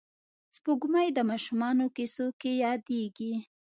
سپوږمۍ د ماشومانو کیسو کې یادېږي